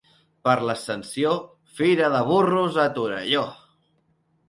Per l'Ascensió, fira de burros a Torelló.